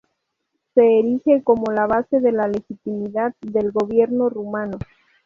Se erige como la base de la legitimidad del gobierno rumano.